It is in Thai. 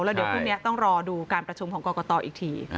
แล้วเดี๋ยวพรุ่งนี้ต้องรอดูการประชุมของกรกตอีกที